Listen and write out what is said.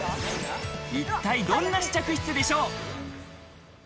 一体どんな試着室でしょう。